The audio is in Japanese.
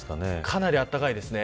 かなりあったかいですね。